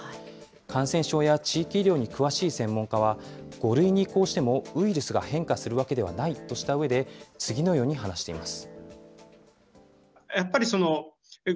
感染症や地域医療に詳しい専門家は、５類に移行してもウイルスが変化するわけではないとしたうえで、次のように話しています。